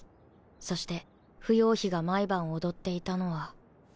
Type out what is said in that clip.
そして芙蓉妃が毎晩踊っていたのは。